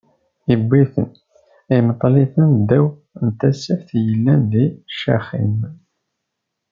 Iwwi-ten imeḍl-iten ddaw n tasaft yellan di Caxim.